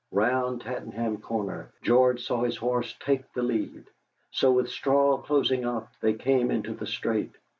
Round Tattenham Corner George saw his horse take the lead. So, with straw closing up, they came into the straight.